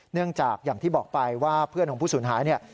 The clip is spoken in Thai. เนื่องจากอย่างที่บอกไปว่าเพื่อนของผู้สูญหายเนี่ย